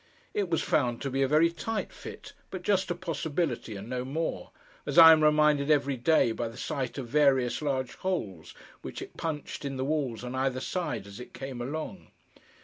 It was found to be a very tight fit, but just a possibility, and no more—as I am reminded every day, by the sight of various large holes which it punched in the walls on either side as it came along.